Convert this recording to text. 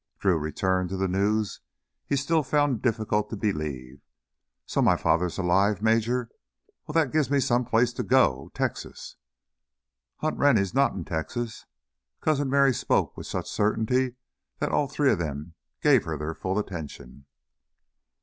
Drew returned to the news he still found difficult to believe. "So my father's alive, Major. Well, that gives me some place to go Texas...." "Hunt Rennie's not in Texas." Cousin Merry spoke with such certainty that all three of them gave her their full attention.